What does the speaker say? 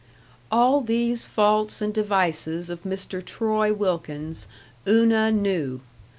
All these faults and devices of Mr. Troy Wilkins Una knew.